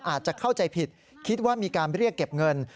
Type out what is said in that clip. อาจจะเข้าใจผิดคิดว่ามีการเรียกเก็บเงิน